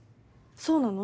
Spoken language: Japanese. そうなの？